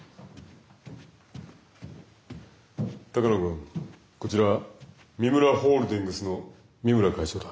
鷹野君こちら三村ホールディングスの三村会長だ。